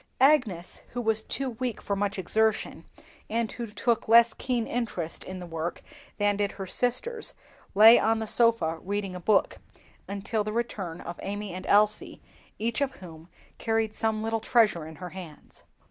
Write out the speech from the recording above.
Agnes, who was too weak for much exertion, and who took less keen interest in the work than did her sisters, lay on the sofa reading a book, until the return of Amy and Elsie, each of whom carried some little treasure in her hands.